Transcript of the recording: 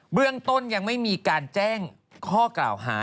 เรื่องต้นยังไม่มีการแจ้งข้อกล่าวหา